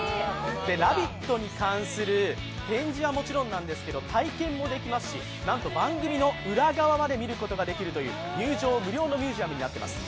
「ラヴィット！」に関する展示はもちろんなんですけど、体験もできますし、なんと番組の裏側まで見ることができるという入場無料のミュージアムになっています。